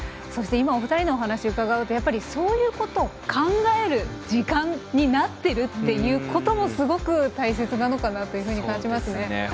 そして、今お二人のお話を伺うとそういうことを考える時間になっているということもすごく大切なのかなと感じますね。